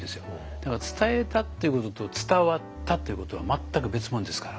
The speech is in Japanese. だから伝えたっていうことと伝わったっていうことは全く別物ですから。